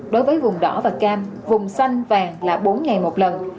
đối với vùng đỏ và cam vùng xanh vàng là bốn ngày một lần